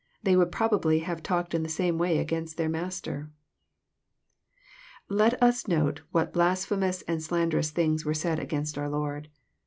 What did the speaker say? They would probably have talked in the same way against their Master ! Let us note what blasphemous and slanderous things were said against our Lord.